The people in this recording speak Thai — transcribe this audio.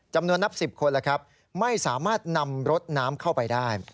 จำนวนนับ๑๐คนไม่สามารถนำรถน้ำเข้าไปได้